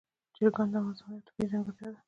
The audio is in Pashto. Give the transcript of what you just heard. چرګان د افغانستان یوه طبیعي ځانګړتیا ده.